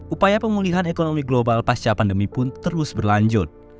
upaya pemulihan ekonomi global pasca pandemi pun terus berlanjut